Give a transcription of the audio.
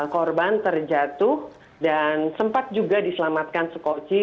korban terjatuh dan sempat juga diselamatkan sekoci